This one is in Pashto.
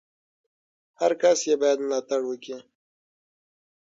هر کس ئې بايد ملاتړ وکي!